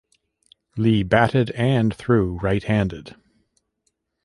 Lee batted and threw right-handed.